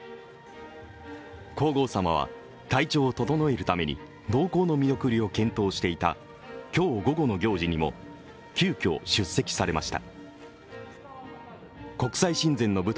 皇后さまは体調を整えるために同行の見送りを検討されていた今日午後の行事にも、急きょ出席されました。